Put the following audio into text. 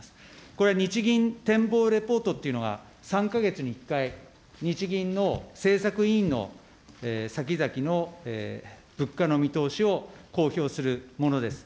これは日銀展望レポートというのが、３か月に１回、日銀の政策委員の先々の物価の見通しを公表するものです。